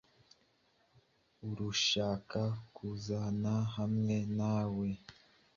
Urashaka kuzana hamwe nawe?